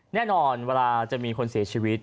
แน่นอนเวลาจะมีคนเสียชีวิต